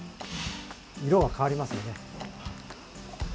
色が変わりますよね。